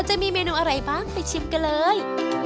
จะมีเมนูอะไรบ้างไปชิมกันเลย